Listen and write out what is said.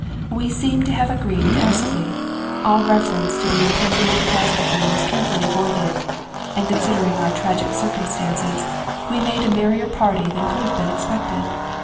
We seemed to have agreed tacitly ; all reference to the impending catastrophe was care fully avoided ; and, considering our tragic circumstances, we made a merrier party than could have been expected.